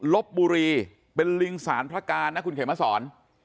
ลบบุรีเป็นลิงสารพระการนะคุณเขมสอน